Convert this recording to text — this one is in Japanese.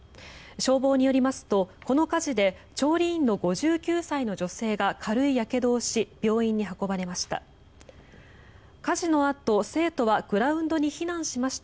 消防によりますと、この火事で調理員の５９歳の女性が軽いやけどをし病院に運ばれました。